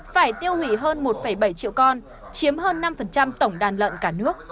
phải tiêu hủy hơn một bảy triệu con chiếm hơn năm tổng đàn lợn cả nước